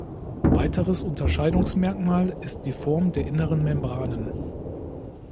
Weiteres Unterscheidungsmerkmal ist die Form der inneren Membranen.